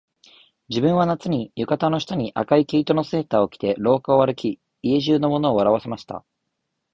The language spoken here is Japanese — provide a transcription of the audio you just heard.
自分は夏に、浴衣の下に赤い毛糸のセーターを着て廊下を歩き、家中の者を笑わせました